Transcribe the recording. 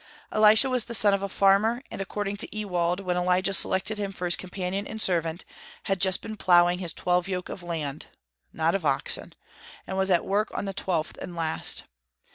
Elisha was the son of a farmer, and, according to Ewald, when Elijah selected him for his companion and servant, had just been ploughing his twelve yoke of land (not of oxen), and was at work on the twelfth and last.